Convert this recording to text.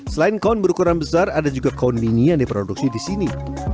selain kain berukuran besar ada juga kain mini yang diproduksi di sini